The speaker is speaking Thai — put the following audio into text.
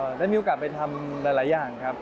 ได้มีโอกาสไปทำหลายอย่างครับ